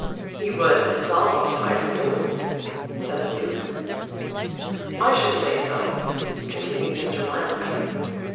"He would dissolve, I presume," said the Duke. "I should say so," continued Mr. Mildmay.